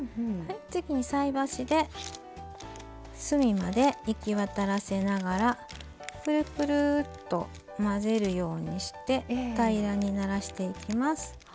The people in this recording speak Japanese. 次に菜箸で隅まで行き渡らせながらくるくるっと混ぜるようにして平らにならしていきます。